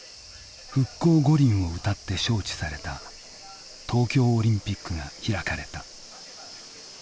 「復興五輪」をうたって招致された東京オリンピックが開かれた。